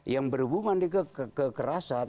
yang berhubungan kekerasan